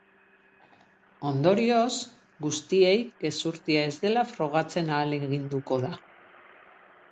Ondorioz, guztiei gezurtia ez dela frogatzen ahaleginduko da.